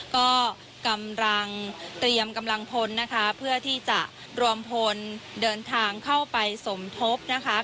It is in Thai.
ก็กำลังเตรียมกำลังพลนะคะเพื่อที่จะรวมพลเดินทางเข้าไปสมทบนะคะ